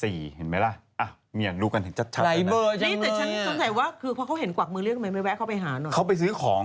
นี่ไม่เป็นไรเพราะพาเขาเห็นกวักมือเรียกซึ่งทำไมไม่แวะเข้าไปหาหน่อย